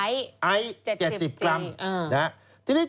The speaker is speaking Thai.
ยาอี๑๖เมตร